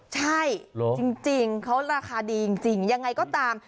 ใช่จริงเขาราคาดีจริงยังไงก็ตาม